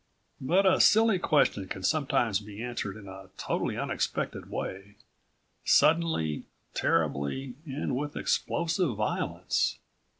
But a silly question can sometimes be answered in a totally unexpected way suddenly, terribly and with explosive violence.